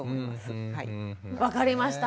分かりました。